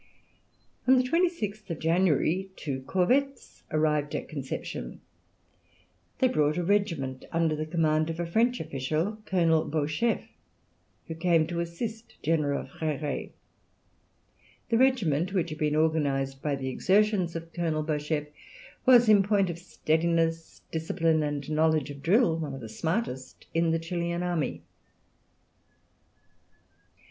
On the 26th January two corvettes arrived at Conception. They brought a regiment under the command of a French official, Colonel Beauchef, who came to assist General Freire. The regiment, which had been organized by the exertions of Colonel Beauchef, was in point of steadiness, discipline, and knowledge of drill, one of the smartest in the Chilian army.